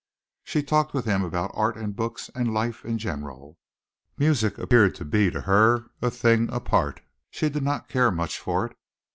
She talked with him about art and books and life in general. Music appeared to be to her a thing apart. She did not care much for it.